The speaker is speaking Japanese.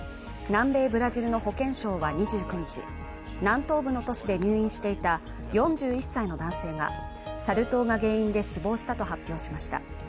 南米ブラジルの保健省は２９日、南東部の都市で入院していた４１歳の男性がサル痘が原因で死亡したと発表しました。